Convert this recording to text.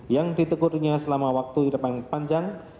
yang ditekurnya selama waktu hidup yang panjang